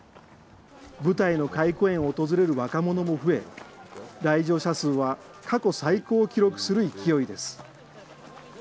舞台の懐古園を訪れる若者も増え、来場者数は過去最高を記録する勢いです。